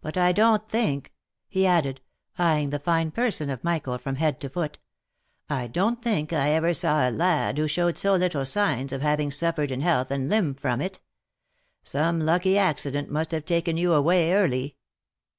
But I don't think," he added, eyeing the fine person of Michael from head to foot, " I don't think I ever saw a lad who showed so little signs of having suffered in health and limb from it. Some lucky ac cident must have taken you away early?"